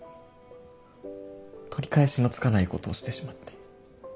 取り返しのつかないことをしてしまって。